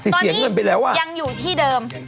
ร้านโรงงานตอนนี้ยังอยู่ที่เดิม